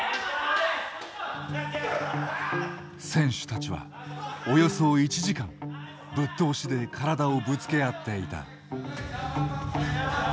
選手たちはおよそ１時間ぶっ通しで体をぶつけ合っていた。